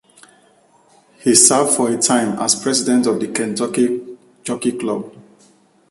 He served for a time as president of the Kentucky Jockey Club.